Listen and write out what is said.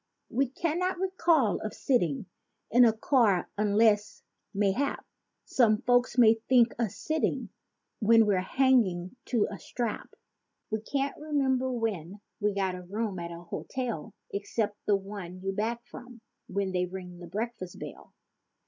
We can't recall of sitting in a car unless, mayhap Some folk may think us sitting when we're hanging to a strap. We can't remember when we got a room at a hotel Except the one you back from when they ring the breakfast bell.